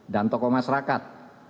dan tokoh masyarakat